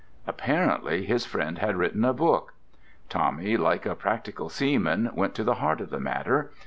Apparently his friend had written a book. Tommy, like a practical seaman, went to the heart of the matter.